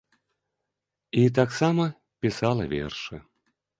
І таксама пісала вершы.